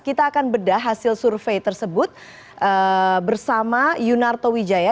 kita akan bedah hasil survei tersebut bersama yunarto wijaya